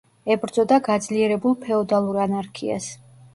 ებრძოდა გაძლიერებულ ფეოდალურ ანარქიას.